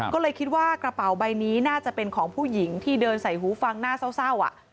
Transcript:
ก็เลยคิดว่ากระเป๋าใบนี้น่าจะเป็นของผู้หญิงที่เดินใส่หูฟังน่าเศร้า